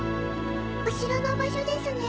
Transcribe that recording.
お城の場所ですね？